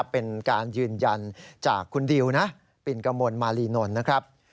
เป็นการยืนยันจากคุณดิวนะปิ่นกระมวลมาลีนนท์นะครับ